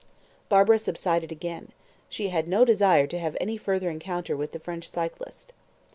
Barbara subsided again. She had no desire to have any further encounter with the French cyclist.